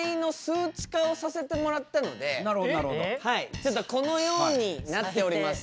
ちょっとこのようになっております。